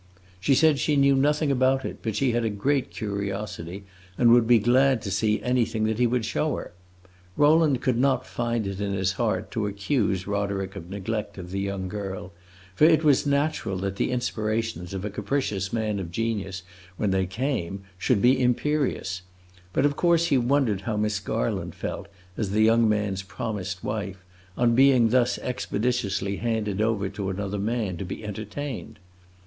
She said she knew nothing about it, but she had a great curiosity, and would be glad to see anything that he would show her. Rowland could not find it in his heart to accuse Roderick of neglect of the young girl; for it was natural that the inspirations of a capricious man of genius, when they came, should be imperious; but of course he wondered how Miss Garland felt, as the young man's promised wife, on being thus expeditiously handed over to another man to be entertained.